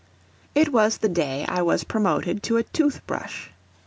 It was the day I was promoted to a tooth brush.